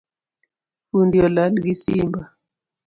Fundi olal gi simba